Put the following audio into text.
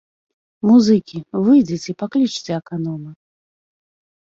Музыкі, выйдзіце, паклічце аканома!